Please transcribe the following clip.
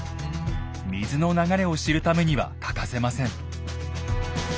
水の流れを知るためには欠かせません。